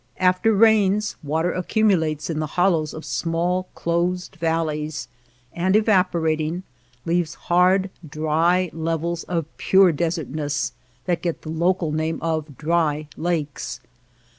After rains water accumulates in the hollows of small closed valleys, and, evaporating, leaves hard dry levels of pure desertness that get the local name of dry lakes.